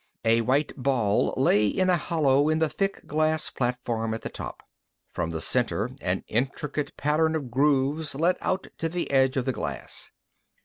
A white ball lay in a hollow in the thick glass platform at the top. From the center, an intricate pattern of grooves led out to the edge of the glass.